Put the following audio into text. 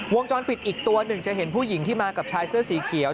วงจรปิดอีกตัวหนึ่งจะเห็นผู้หญิงที่มากับชายเสื้อสีเขียว